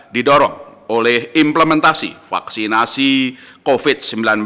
didorong oleh implementasi vaksinasi covid sembilan belas